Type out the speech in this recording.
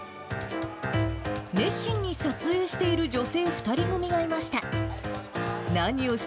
熱心に撮影している女性２人組がいました。